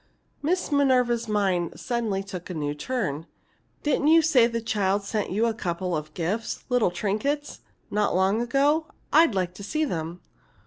Miss Minerva's mind suddenly took a new turn. "Didn't you say the child sent you a couple of gifts little trinkets not long ago? I'd like to see them."